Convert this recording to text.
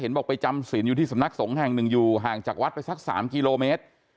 บอกไปจำศีลอยู่ที่สำนักสงฆ์แห่งหนึ่งอยู่ห่างจากวัดไปสัก๓กิโลเมตร